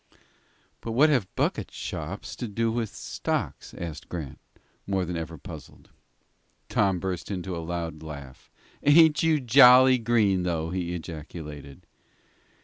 "But what have bucket shops to do with stocks?" asked Grant, more than ever puzzled. Tom burst into a loud laugh. "Ain't you jolly green, though?" he ejaculated.